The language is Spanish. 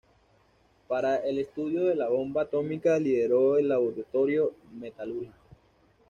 Para el estudio de la bomba atómica lideró el laboratorio metalúrgico.